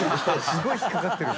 すごい引っかかってる。